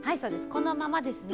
このままですね。